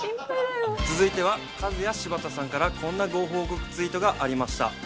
続いてはカズヤ・シバタさんからこんなご報告ツイートがありました。